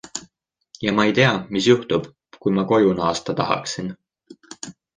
Ja ma ei tea, mis juhtub, kui ma koju naasta tahaksin.